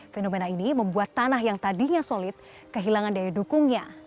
fenomena ini membuat tanah yang tadinya solid kehilangan daya dukungnya